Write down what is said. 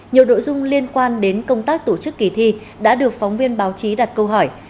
nhiều nội dung liên quan đến công tác tổ chức kỳ thi đã được phóng viên báo chí đặt câu hỏi